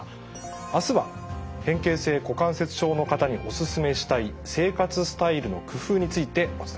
明日は変形性股関節症の方にお勧めしたい生活スタイルの工夫についてお伝えします。